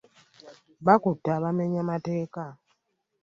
Bakkutte abamenya amateeka.